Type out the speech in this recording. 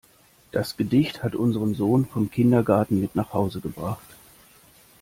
Das Gedicht hat unser Sohn vom Kindergarten mit nach Hause gebracht.